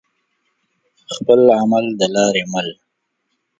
خپل عمل د لارې مل دى.